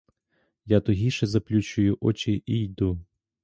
Я тугіше заплющую очі і йду.